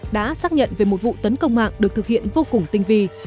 đã xác nhận về một vụ tấn công mạng được thực hiện vô cùng tinh vi